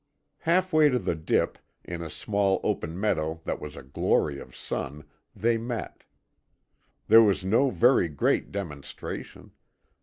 Half way to the dip, in a small open meadow that was a glory of sun, they met. There was no very great demonstration.